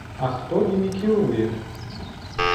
А хто імі кіруе?